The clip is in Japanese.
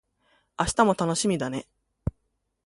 明日も楽しみだね